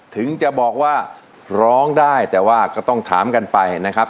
ถึงจะบอกว่าร้องได้แต่ว่าก็ต้องถามกันไปนะครับ